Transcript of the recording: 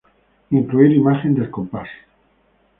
Incluir imagen del compás.